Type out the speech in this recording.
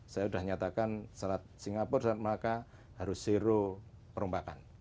saya sudah nyatakan selat singapura selat melaka harus zero perombakan